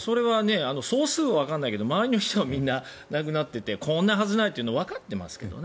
総数はわからないけど周りの人は亡くなっていてこんなはずはないってわかっていますけどね。